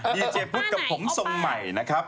ดีเจพุทธกับผมทรงใหม่นะครับ